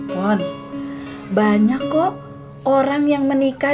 pon banyak kok orang yang menikah